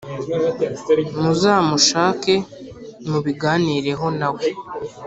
muzamushake mubiganireho na we